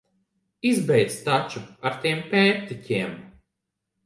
Izbeidz taču ar tiem pērtiķiem!